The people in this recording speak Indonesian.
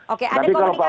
oke ada komunikasi pak